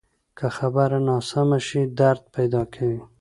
که خبره ناسمه شي، درد پیدا کوي